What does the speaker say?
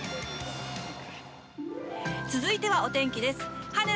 続いてはお天気です。